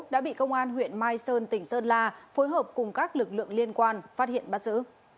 đã bị công an huyện mai sơn tỉnh sơn la phối hợp cùng các lực lượng liên quan phát hiện bắt giữ